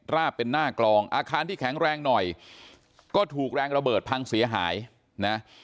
ราบเป็นหน้ากลองอาคารที่แข็งแรงหน่อยก็ถูกแรงระเบิดพังเสียหายนะ